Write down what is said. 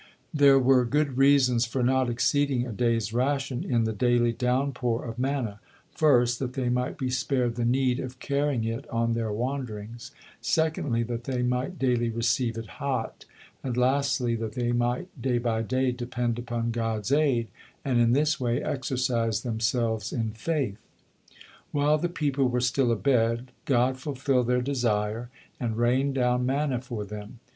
'" There were good reasons for not exceeding a day's ration in the daily downpour of manna. First, that they might be spared the need of carrying it on their wanderings; secondly, that they might daily receive it hot; and, lastly, that they might day by day depend upon God's aid, and in this way exercise themselves in faith. While the people were still abed, God fulfilled their desire, and rained down manna for them.